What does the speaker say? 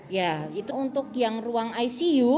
ya itu untuk yang ruang icu